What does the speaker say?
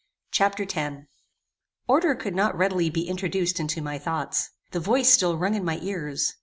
Chapter X Order could not readily be introduced into my thoughts. The voice still rung in my ears.